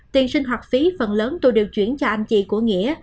tiền sinh hoạt phí phần lớn tôi đều chuyển cho anh chị của nghĩa